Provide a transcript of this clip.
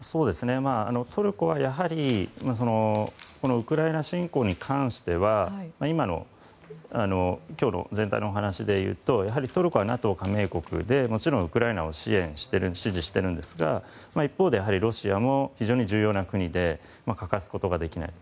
トルコは、やはりウクライナ侵攻に関しては今日の全体のお話で言うとトルコはＮＡＴＯ加盟国でもちろんウクライナを支援、支持しているんですが一方でロシアも非常に重要な国で欠かすことができない。